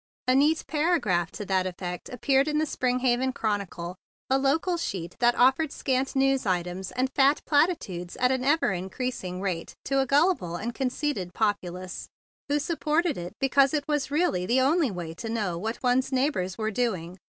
A neat paragraph to that effect ap¬ peared in The Springhaven Chronicle, a local sheet that offered scant news items and fat platitudes at an ever increasing rate to a gullible and conceited popu¬ lace, who supported it because it was really the only way to know what one's neighbors were doing.